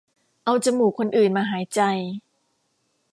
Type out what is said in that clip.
เอาจมูกคนอื่นมาหายใจ